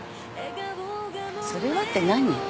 それはって何？